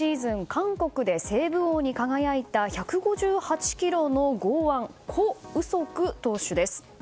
韓国でセーブ王に輝いた１５８キロの剛腕コ・ウソク投手です。